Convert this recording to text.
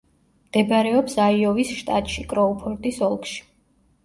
მდებარეობს აიოვის შტატში, კროუფორდის ოლქში.